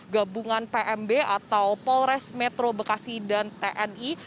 gabungan pmb atau polres metro bekasi dan tni